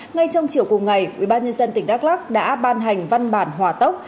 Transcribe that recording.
ngay trong chiều cùng ngày ubnd tỉnh đắk lắc đã ban hành văn bản hòa tốc